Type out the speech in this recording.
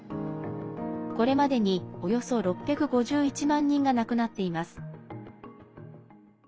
これまでに、およそ６５１万人が亡くなっています。